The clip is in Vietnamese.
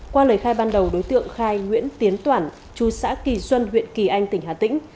qua lời khai ban đầu đối tượng khai nguyễn tiến toản chú xã kỳ xuân huyện kỳ anh tỉnh hà tĩnh